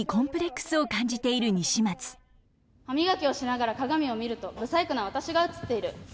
歯磨きをしながら鏡を見ると不細工な私が映っている。